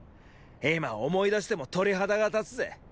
今思い出しても鳥肌が立つぜ。